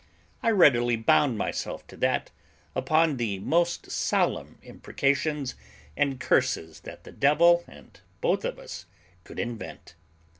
I readily bound myself to that, upon the most solemn imprecations and curses that the devil and both of us could invent.